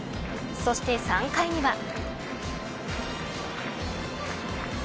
そして３回には。